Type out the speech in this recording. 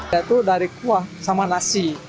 yaitu dari kuah sama nasi